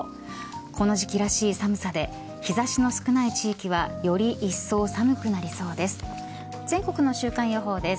この時期らしい寒さで日差しの少ない地域はより一層、寒くなりそうです。